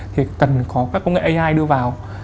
thì cần có các công nghệ ai đưa vào